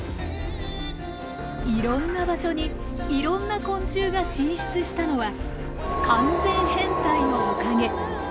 いろんな場所にいろんな昆虫が進出したのは完全変態のおかげ！